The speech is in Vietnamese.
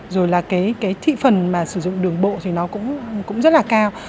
rồi là cái thị phần mà sử dụng đường bộ thì nó cũng rất là cao